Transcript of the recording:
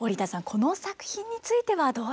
この作品についてはどうですか？